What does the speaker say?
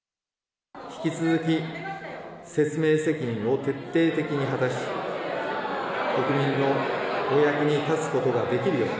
引き続き、説明責任を徹底的に果たし、国民のお役に立つことができるよう。